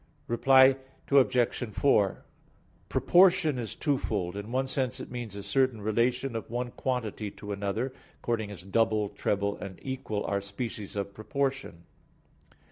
Reply Obj. 4: Proportion is twofold. In one sense it means a certain relation of one quantity to another, according as double, treble and equal are species of proportion.